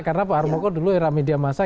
karena pak harmoko dulu era media massa